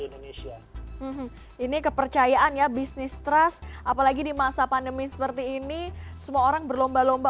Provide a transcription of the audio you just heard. indonesia ini kepercayaan ya bisnis trust apalagi di masa pandemi seperti ini semua orang berlomba lomba